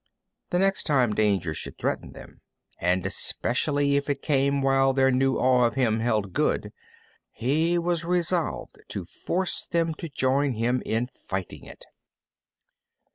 The next time danger should threaten them, and especially if it came while their new awe of him held good, he was resolved to force them to join him in fighting it.